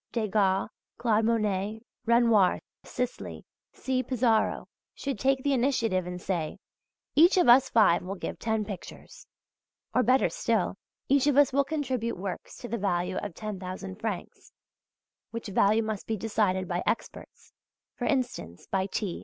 Degas, Claude Monet, Renoir, Sisley, C. Pissaro should take the initiative and say: Each of us five will give ten pictures (or better still, each of us will contribute works to the value of 10,000 francs, which value must be decided by experts for instance, by T.